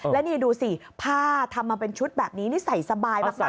แล้วนี่ดูสิผ้าทำมาเป็นชุดแบบนี้นี่ใส่สบายมาก